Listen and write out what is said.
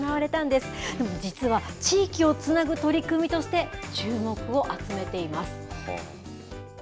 でも実は、地域をつなぐ取り組みとして、注目を集めています。